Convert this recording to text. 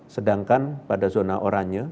sedangkan pada zona oranya